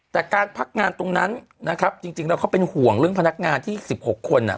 แต่การพักงานตรงนั้นนะครับจริงแล้วเขาเป็นห่วงเรื่องพนักงานที่๑๖คน